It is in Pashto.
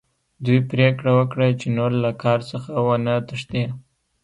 دوی پریکړه وکړه چې نور له کار څخه ونه تښتي